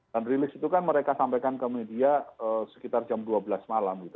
dan rilis itu kan mereka sampaikan ke media sekitar jam dua belas malam gitu